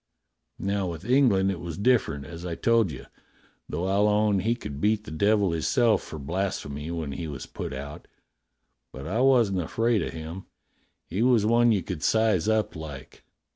Now with Eng land it was different, as I told you, though I'll own he could beat the devil hisself for blasphemy when he was put out. But I wasn't afraid o' him; he was one you could size up like.